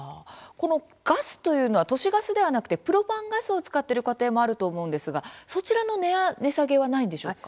このガスというのは都市ガスではなくてプロパンガスを使っている家庭もあると思うんですが、そちらの値下げはないんでしょうか。